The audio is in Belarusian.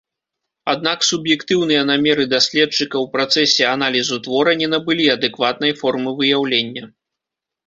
Аднак суб'ектыўныя намеры даследчыка ў працэсе аналізу твора не набылі адэкватнай формы выяўлення.